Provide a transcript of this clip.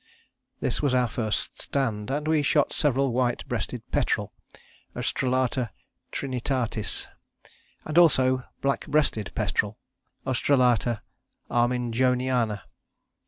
This was our first stand, and we shot several white breasted petrel (Oestrelata trinitatis), and also black breasted petrel (Oestrelata arminjoniana).